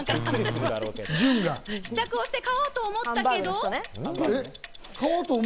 試着をして買おうと思ったけど？